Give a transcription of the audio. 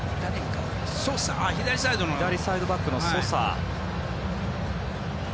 左サイドバックのソサ。